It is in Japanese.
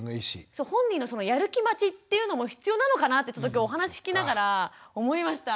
そう本人のやる気待ちっていうのも必要なのかなってちょっと今日お話聞きながら思いました。